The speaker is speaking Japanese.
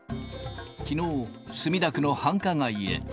きのう、墨田区の繁華街へ。